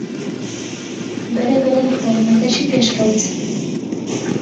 بەرەبەرە لە خوێندنەکەشی پێشکەوت